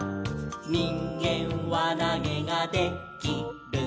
「にんげんわなげがで・き・る」